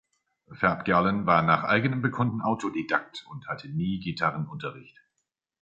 Fab Gallen war nach eigenem Bekunden Autodidakt und hatte nie Gitarrenunterricht.